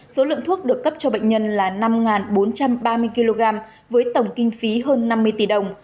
số lượng thuốc được cấp cho bệnh nhân là năm bốn trăm ba mươi kg với tổng kinh phí hơn năm mươi tỷ đồng